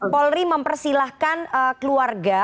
polri mempersilahkan keluarga